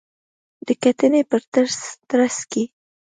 د کتنې په ترڅ کې